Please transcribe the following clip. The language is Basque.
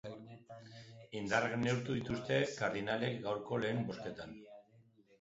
Indarrak neurtu dituzte kardinalek gaurko lehen bozketan.